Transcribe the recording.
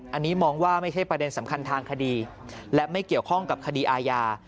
อันนี้มองว่าไม่ใช่ประเด็นสำคัญทางคดีและไม่เกี่ยวข้องกับคดีอาญา